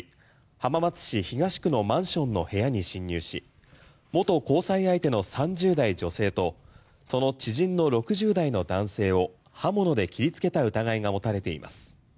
浜松市東区のマンションの部屋に侵入し元交際相手の３０代女性とその知人の６０代の男性を刃物で切りつけた疑いが持たれています。